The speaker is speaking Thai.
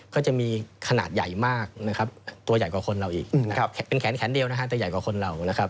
ก็จะมีขนาดใหญ่มากตัวใหญ่กว่าคนเราอีกเป็นแขนแดงเดียวแต่ใหญ่กว่าคนเรา